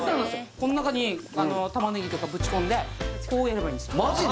この中に玉ねぎとかぶちこんでこうやればいいんですマジで？